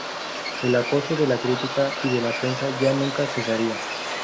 El acoso de la crítica y de la prensa ya nunca cesaría.